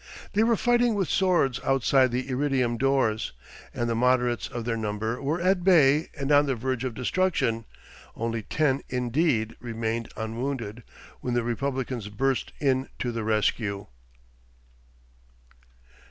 They were fighting with swords outside the iridium doors, and the moderates of their number were at bay and on the verge of destruction, only ten, indeed, remained unwounded, when the republicans burst in to the rescue....